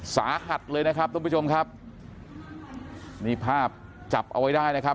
สาหัสเลยนะครับทุกผู้ชมครับนี่ภาพจับเอาไว้ได้นะครับ